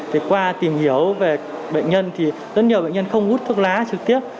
thì qua tìm hiểu về bệnh nhân thì rất nhiều bệnh nhân không hút thuốc lá trực tiếp